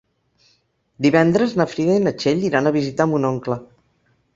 Divendres na Frida i na Txell iran a visitar mon oncle.